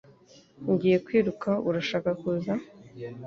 Ngiye kwiruka Urashaka kuza?